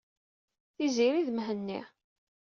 Tiziri d Mhenni.